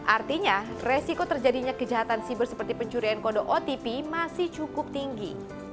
artinya resiko terjadinya kejahatan siber seperti pencurian kode otp masih cukup tinggi